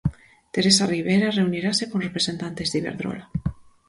Teresa Ribera reunirase con representantes de Iberdrola.